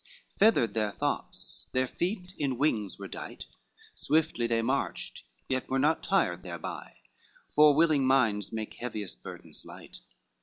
III Feathered their thoughts, their feet in wings were dight, Swiftly they marched, yet were not tired thereby, For willing minds make heaviest burdens light.